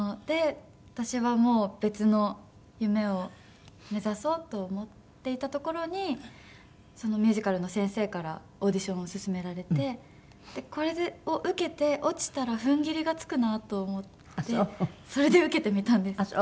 で私はもう別の夢を目指そうと思っていたところにそのミュージカルの先生からオーディションを勧められてこれを受けて落ちたら踏ん切りがつくなと思ってそれで受けてみたんです。